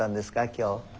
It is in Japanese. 今日。